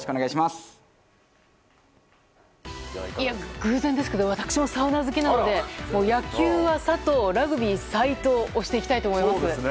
偶然ですけど私もサウナ好きなので野球は佐藤、ラグビーは齋藤を推していきたいと思います。